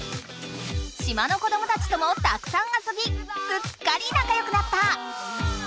島の子どもたちともたくさんあそびすっかり仲よくなった。